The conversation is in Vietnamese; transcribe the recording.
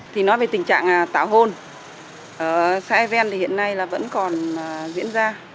thì nói về tình trạng tàu hôn ở xã e ven thì hiện nay là vẫn còn diễn ra